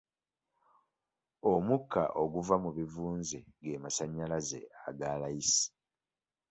Omukka oguva mu bivunze ge masannyalaze aga layisi.